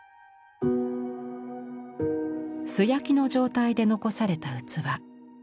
素焼きの状態で残された器。